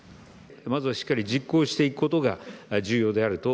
まずはしっかり実行していくことが重要であると。